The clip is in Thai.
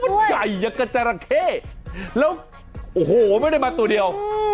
มันใหญ่เหมือนจาระเข้แล้วโอ้โหไม่ได้มาตัวเดียว